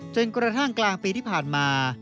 จนกระทั่งกลางปีที่ผ่านมา